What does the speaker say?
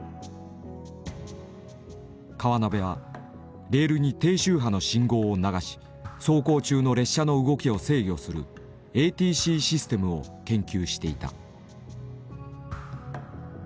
河辺はレールに低周波の信号を流し走行中の列車の動きを制御するＡＴＣシステムを研究していた。